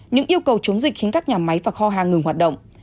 những yêu cầu chống dịch khiến các nhà máy và kho hàng ngừng hoạt động